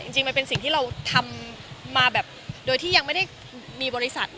จริงมันเป็นสิ่งที่เราทำมาแบบโดยที่ยังไม่ได้มีบริษัท